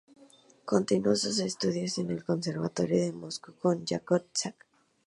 Continuó sus estudios en el Conservatorio de Moscú con Yakov Zak.